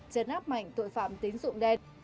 chấn áp mạnh tội phạm tính dụng đen